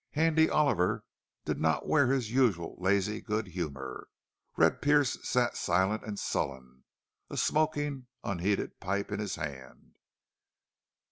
Handy Oliver did not wear his usual lazy good humor. Red Pearce sat silent and sullen, a smoking, unheeded pipe in his hand.